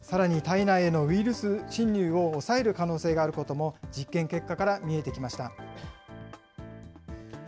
すごい、さらに、体内へのウイルス侵入を抑える可能性があることも、実験結果から見えてきました。